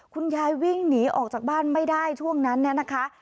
คุณยายวิ่งหนีออกจากบ้านไม่ได้ช่วงนั้นเนี่ยนะคะ